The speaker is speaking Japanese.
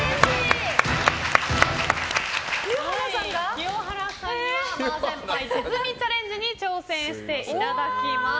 清原さんには麻雀牌手積みチャレンジに挑戦していただきます。